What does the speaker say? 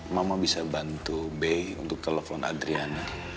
mama bisa bantu be untuk telepon adriana